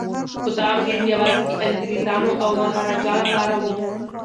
خو دا امنیت یوازې د انګریزانو او مهاراجا لپاره و.